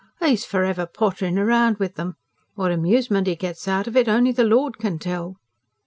"He's for ever pottering about with 'em. What amusement 'e gets out of it, only the Lord can tell."